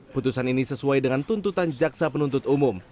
putusan ini sesuai dengan tuntutan jaksa penuntut umum